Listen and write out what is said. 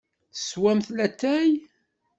Teswamt latay?